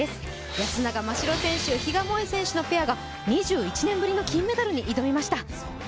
安永真白選手、比嘉もえ選手のペアが２１年ぶりの金メダルに挑みました。